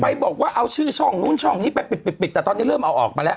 ไปบอกว่าเอาชื่อช่องนู้นช่องนี้ไปปิดปิดแต่ตอนนี้เริ่มเอาออกมาแล้ว